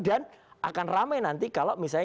dan akan ramai nanti kalau misalnya